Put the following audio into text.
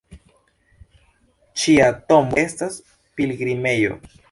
Ŝia tombo estas pilgrimejo.